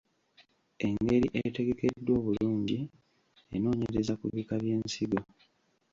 Engeri etegekeddwa obulungi enoonyereza ku bika by’ensigo.